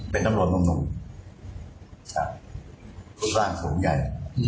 เป็นตำรวจลงคุณร่างสูงใหญ่